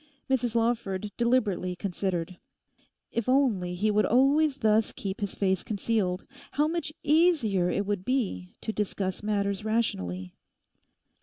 Mrs Lawford deliberately considered. If only he would always thus keep his face concealed, how much easier it would be to discuss matters rationally.